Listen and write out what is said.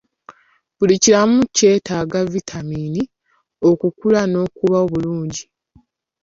Buli kiramu kyetaaga vitamiini okukula n'okuba obulungi.